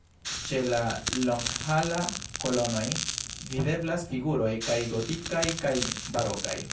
Ĉe la longhala kolonoj videblas figuroj kaj gotikaj kaj barokaj.